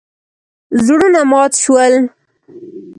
زړونه مات شول.